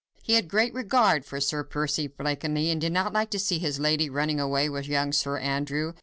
He had great regard for Sir Percy Blakeney, and did not like to see his lady running away with young Sir Andrew.